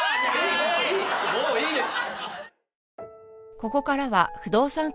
もういいです。